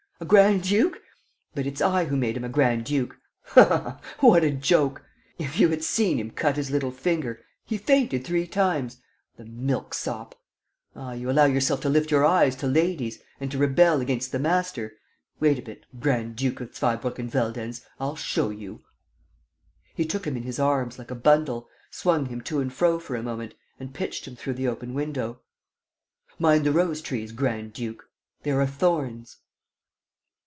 ... A grand duke? But it's I who made him a grand duke! Ha, ha, ha, what a joke! ... If you had seen him cut his little finger ... he fainted three times ... the milksop! ... Ah, you allow yourself to lift your eyes to ladies ... and to rebel against the master! ... Wait a bit, Grand duke of Zweibrucken Veldenz, I'll show you!" He took him in his arms, like a bundle, swung him to and fro for a moment and pitched him through the open window: "Mind the rose trees, grand duke! There are thorns!"